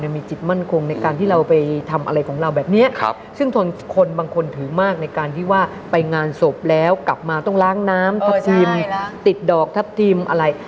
ไปทำอะไรของเราแบบนี้ซึ่งคนบางคนถือมากในการที่ว่าไปงานศพแล้วกลับมาต้องล้างน้ำทับทิมติดดอกทับทิมอะไร